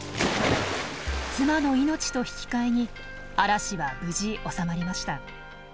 妻の命と引き換えに嵐は無事収まりました。